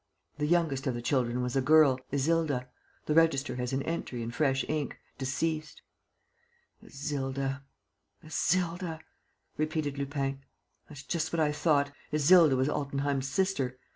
"The youngest of the children was a girl, Isilda. The register has an entry, in fresh ink, 'Deceased.'" "Isilda. ... Isilda," repeated Lupin. "That's just what I thought: Isilda was Altenheim's sister. ..